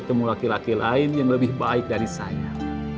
dan bertemu laki laki lain yang lebih baik dari saya